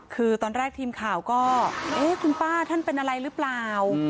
คือตอนแรกทีมข่าวก็คุณป้าท่านเป็นอะไรหรือเปล่า